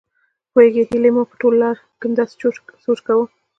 پوهېږې هيلې ما په ټوله لار کې همداسې سوچ کاوه.